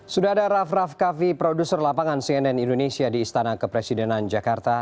sudah ada raff raff kaffi produser lapangan cnn indonesia di istana kepresidenan jakarta